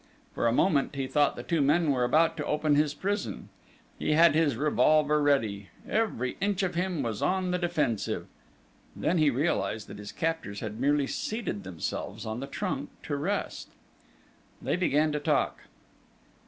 For a moment, he thought the two men were about to open his prison. He had his revolver ready: every inch of him was on the defensive! Then he realised that his captors had merely seated themselves on the trunk to rest! They began to talk.